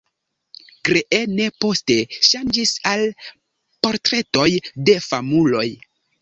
Greene poste ŝanĝis al portretoj de famuloj.